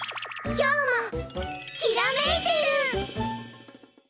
今日もきらめいてる！